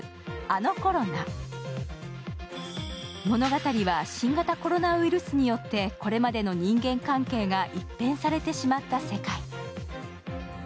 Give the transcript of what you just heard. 物語は新型コロナウイルスによってこれまでの人間関係が一変されてしまった世界。